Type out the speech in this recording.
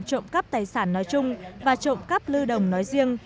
trộm cấp tài sản nói chung và trộm cấp lưu đồng nói riêng